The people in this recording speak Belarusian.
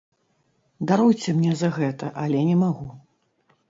Даруйце мне за гэта, але не магу.